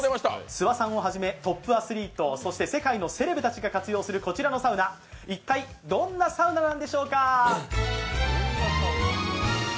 諏訪さんをはじめ、トップアスリート、そして世界のセレブたちが活用するこちらのサウナ、一体どんなサウナなんでしょうか？